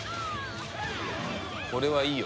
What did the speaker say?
これはいいよ。